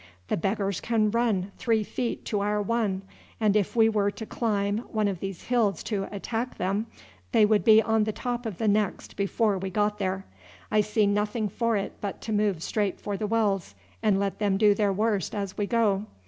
The beggars can run three feet to our one, and if we were to climb one of these hills to attack them, they would be on the top of the next before we got there. I see nothing for it but to move straight for the wells, and let them do their worst as we go.